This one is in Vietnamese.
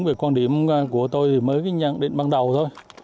về quan điểm của tôi thì mới nhận định ban đầu thôi